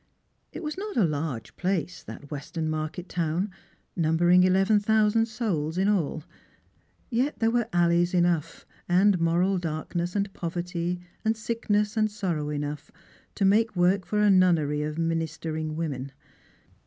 It was not a large place, that western market town, numbering eleven thousand souls in all; yet there were alleys enough, and moral darkness and poverty and sickness and sorrow enough, to make work for a nunnery of ministering women.